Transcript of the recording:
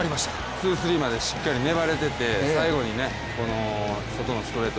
ツー・スリーまでしっかり粘れてて、最後に外のストレート